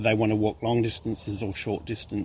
apakah mereka ingin berjalan jauh atau jauh